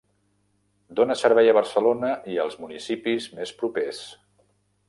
Dóna servei a Barcelona i als municipis més propers.